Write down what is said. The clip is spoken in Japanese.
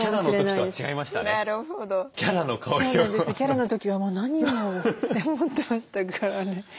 伽羅の時はもう何言おうって思ってましたからね。